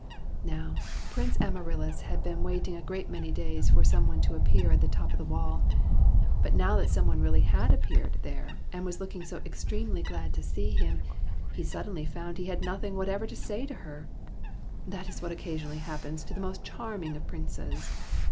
Now, Prince Amaryllis had been waiting a great many days for some one to appear at the top of the wall, but now that some one really had appeared there and was looking so extremely glad to see him, he suddenly found he had nothing whatever to say to her. That is what occasionally happens to the most charming of princes.